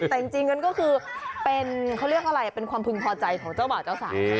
แต่จริงมันก็คือเป็นเขาเรียกอะไรเป็นความพึงพอใจของเจ้าบ่าวเจ้าสาว